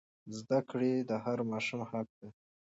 زده کړه د هر ماشوم حق دی.